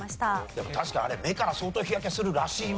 でも確かにあれ目から相当日焼けするらしいもんね。